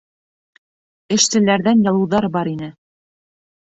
Эшселәрҙән ялыуҙар бар ине.